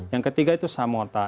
yang ketiga itu samota